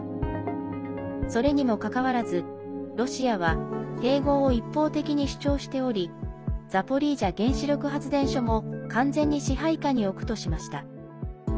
それにもかかわらずロシアは併合を一方的に主張しておりザポリージャ原子力発電所も完全に支配下に置くとしました。